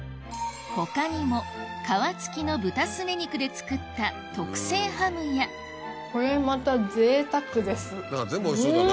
他にも皮付きの豚すね肉で作った特製ハムやこれまたぜいたくです。